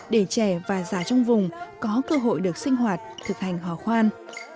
để trẻ và già trong vùng có cơ hội được sinh hoạt thực hành hò khoan